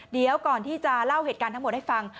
เดี๋ยวก่อนที่จะเล่าเหตุการณ์ทั้งหมดให้ฟัง